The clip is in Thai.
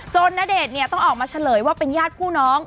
ณเดชน์เนี่ยต้องออกมาเฉลยว่าเป็นญาติผู้น้อง